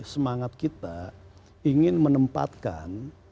semangat kita ingin menempatkan